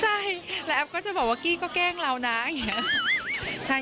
ใช่แล้วแอฟก็จะบอกว่ากี้ก็แกล้งเรานะอย่างนี้